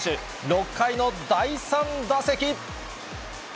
６回の第３打席。